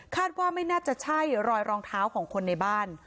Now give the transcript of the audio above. ว่าไม่น่าจะใช่รอยรองเท้าของคนในบ้าน